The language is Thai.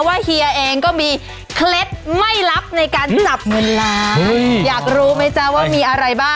เฮียเองก็มีเคล็ดไม่ลับในการจับเงินล้านอยากรู้ไหมจ๊ะว่ามีอะไรบ้าง